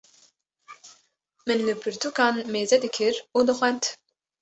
min li pirtûkan mêze dikir û dixwend.